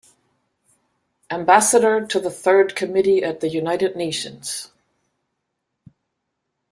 Ambassador to the Third Committee at the United Nations.